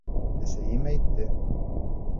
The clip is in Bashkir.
Әсәйем әйтте!